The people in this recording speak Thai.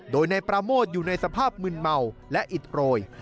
โดยนายปราโมทอยู่ในสภาพมึนเมาและอิดโรย